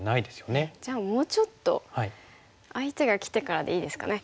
じゃあもうちょっと相手がきてからでいいですかね。